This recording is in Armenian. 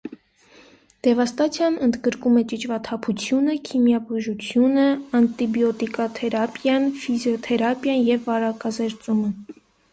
Դևաստացիան ընդգրկում է ճիճվաթափությունը, քիմիաբուժությունը, անտիբիոտիկաթերապիան, ֆիզիոթերապիան և վարակազերծումը։